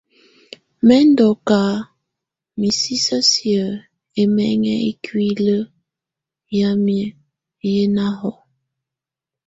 Mɛ̀ ndù ka misisǝ siǝ́ ɛmɛŋɛ ikuili yǝmi yɛ na hɔ̀á.